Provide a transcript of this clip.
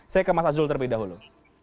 saya ke mas azul terlebih dahulu